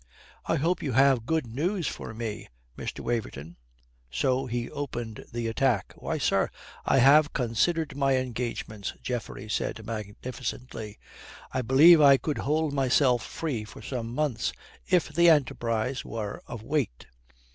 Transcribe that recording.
"I hope you have good news for me, Mr. Waverton?" So he opened the attack. "Why, sir, I have considered my engagements," Geoffrey said magnificently. "I believe I could hold myself free for some months if the enterprise were of weight."